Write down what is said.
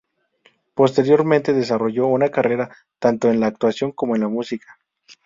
Posteriormente, desarrolló una carrera tanto en la actuación como en la música.